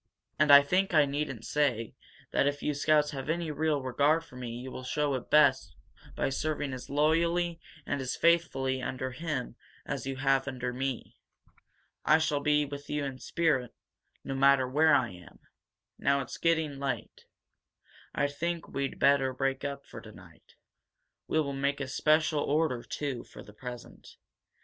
And I think I needn't say that if you scouts have any real regard for me you will show it best by serving as loyally and as faithfully under him as you have under me. I shall be with you in spirit, no matter where I am. Now it's, getting late. I think we'd better break up for tonight. We will make a special order, too, for the present.